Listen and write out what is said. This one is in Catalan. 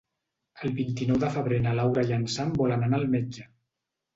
El vint-i-nou de febrer na Laura i en Sam volen anar al metge.